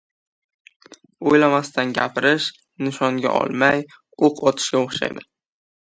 • O‘ylamasdan gapirish, nishonga olmay o‘q otishga o‘xshaydi.